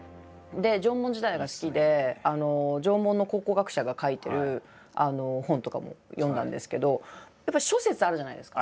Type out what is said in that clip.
縄文時代が好きで縄文の考古学者が書いてる本とかも読んだんですけどやっぱり諸説あるじゃないですか。